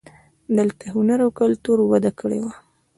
دلته هنر او کلتور وده کړې وه